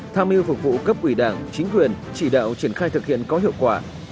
tham mưu phục vụ cấp ủy đảng chính quyền chỉ đạo triển khai thực hiện có hiệu quả